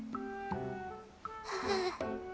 ああ。